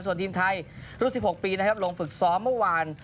ส่วนทีมไทยรุ่น๑๖ปีนะครับลงฝึกซ้อมเมื่อวาน